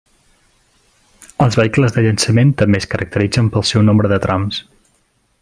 Els vehicles de llançament també es caracteritzen pel seu nombre de trams.